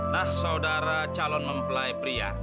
nah saudara calon mempelai pria